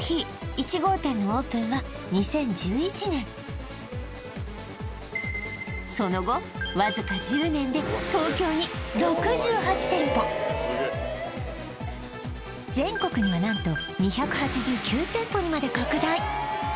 １号店のオープンは２０１１年その後わずか１０年で東京に全国には何とにまで拡大